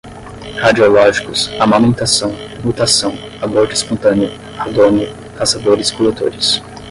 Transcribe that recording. radiológicos, amamentação, mutação, aborto espontâneo, radônio, caçadores-coletores